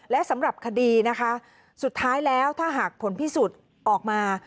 และสำหรับคดีนะคะสุดท้ายแล้วถ้าหากผลพิสูจน์ออกมา